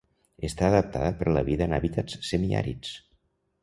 Està adaptada per a la vida en hàbitats semiàrids.